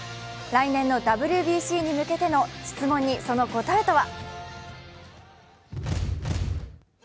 来年のＷＢＣに向けての質問にその答えとは？